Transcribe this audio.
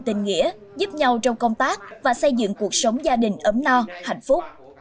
tình nghĩa giúp nhau trong công tác và xây dựng cuộc sống gia đình ấm no hạnh phúc